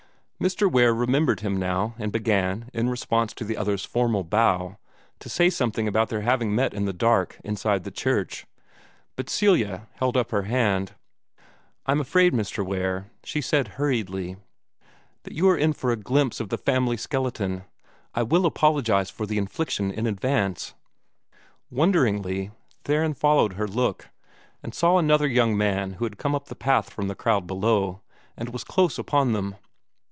Mr. Ware remembered him now, and began, in response to the other's formal bow, to say something about their having met in the dark, inside the church. But Celia held up her hand. "I'm afraid, Mr. Ware," she said hurriedly, "that you are in for a glimpse of the family skeleton. I will apologize for the infliction in advance." Wonderingly, Theron followed her look, and saw another young man who had come up the path from the crowd below, and was close upon them.